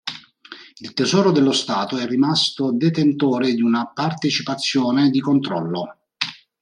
Il Tesoro dello Stato è rimasto detentore di una partecipazione di controllo.